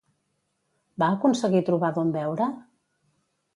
Va aconseguir trobar d'on beure?